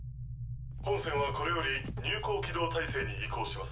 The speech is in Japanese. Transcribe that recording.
本船はこれより入港軌道態勢に移行します。